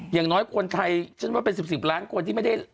อย่างน้อยคนไทยฉันว่าเป็น๑๐ล้านคนที่ไม่ได้